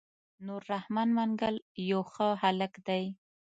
نور رحمن منګل يو ښه هلک دی.